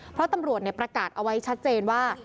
เพราะตำรวจประกาศเอาไว้ชัดเจนว่า